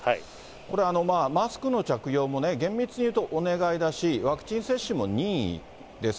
これはマスクの着用も、厳密にいうとお願いだし、ワクチン接種も任意です。